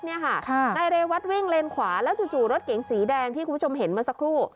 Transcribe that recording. นายเรวัตวิ่งเลนขวาแล้วจู่รถเก๋งสีแดงที่คุณผู้ชมเห็นเมื่อสักครู่